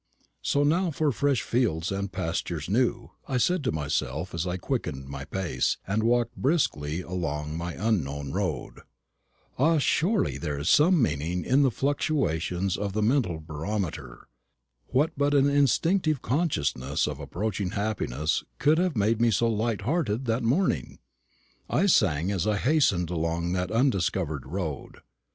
"So now for 'fresh fields and pastures new,'" I said to myself as I quickened my pace, and walked briskly along my unknown road. Ah, surely there is some meaning in the fluctuations of the mental barometer. What but an instinctive consciousness of approaching happiness could have made me so light hearted that morning? I sang as I hastened along that undiscovered road.